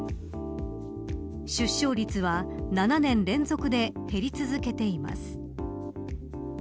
出生率は７年連続で減り続けています。